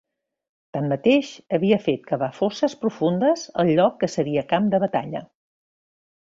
Tanmateix, havia fet cavar fosses profundes al lloc que seria camp de batalla.